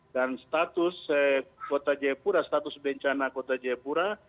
dan status kota jayapura status rencana kota jayapura